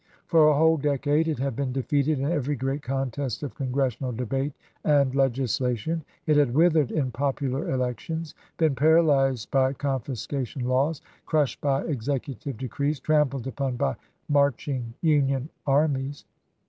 For a whole decade it had been defeated in every great contest of Congres sional debate and legislation. It had withered in popular elections, been paralyzed by confiscation laws, crushed by executive decrees, trampled upon by marching Union armies.